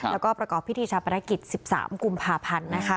แล้วก็ประกอบพิธีชาปนกิจ๑๓กุมภาพันธ์